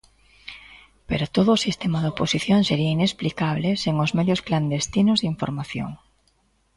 Pero todo o sistema de oposición sería inexplicable sen os medios clandestinos de información.